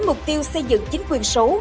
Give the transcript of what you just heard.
mục tiêu xây dựng chính quyền số